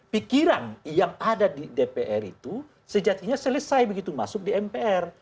pikiran yang ada di dpr itu sejatinya selesai begitu masuk di mpr